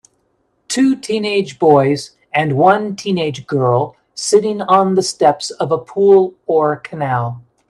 Two teenage boys and one teenage girl sitting on the steps of a pool or canal.